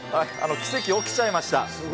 奇跡起きちゃいました。